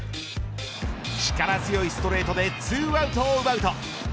力強いストレートで２アウトを奪うと。